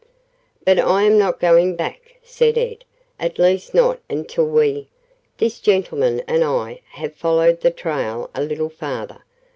"But I am not going back," said Ed; "at least not until we this gentleman and I have followed the trail a little farther.